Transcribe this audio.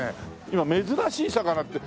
今珍しい魚って。